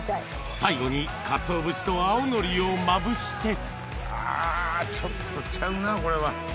最後にかつおぶしと青のりをまぶしてあちょっとちゃうなこれは。